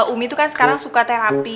umi itu kan sekarang suka terapi